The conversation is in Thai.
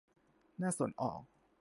น่าสนออก